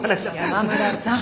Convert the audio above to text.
山村さん。